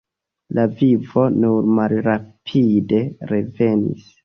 La vivo nur malrapide revenis.